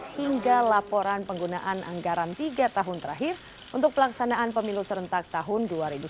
hingga laporan penggunaan anggaran tiga tahun terakhir untuk pelaksanaan pemilu serentak tahun dua ribu sembilan belas